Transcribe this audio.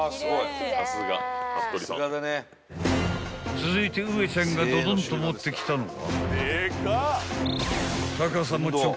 ［続いてウエちゃんがドドンと持ってきたのは］